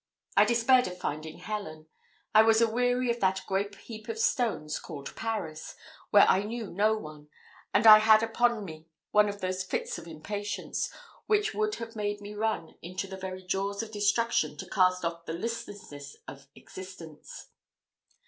I despaired of finding Helen. I was a weary of that great heap of stones called Paris, where I knew no one; and I had upon me one of those fits of impatience, which would have made me run into the very jaws of destruction to cast off the listlessness of existence.